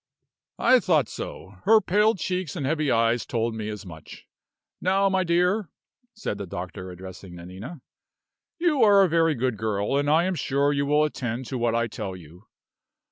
"I thought so! Her pale cheeks and heavy eyes told me as much. Now, my dear," said the doctor, addressing Nanina, "you are a very good girl, and I am sure you will attend to what I tell you.